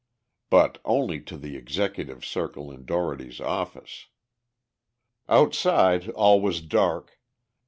But only to the executive circle in Dougherty's office. Outside, all was dark.